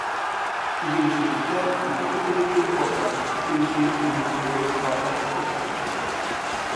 ئىگىلىشىمىزچە، يىپەك يولىدىكى پورتلارنىڭ ئېچىلىشى ئۇنىڭ سودىسىغا ياخشى پۇرسەت بوپتۇ.